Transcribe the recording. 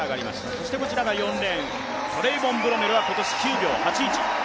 そしてこちらが４レーントレイボン・ブロメルは今年９秒８１。